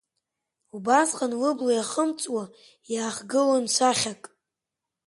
Убасҟан лыбла иаахымҵуа иаахгылон сахьак…